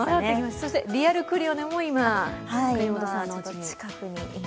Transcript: そしてリアルクリオネも今、國本さんのおうちに。